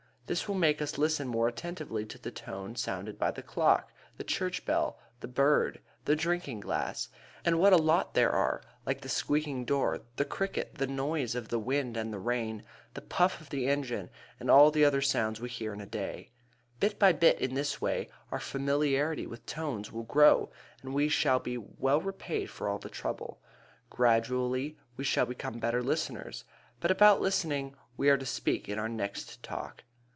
This will make us listen more attentively to the tone sounded by the clock, the church bell, the bird, the drinking glass. And what a lot there are, like the squeaking door, the cricket, the noise of the wind and rain, the puff of the engine, and all the other sounds we hear in a day. Bit by bit, in this way, our familiarity with tones will grow and we shall be well repaid for all the trouble. Gradually we shall become better listeners but about listening we are to speak in our next Talk.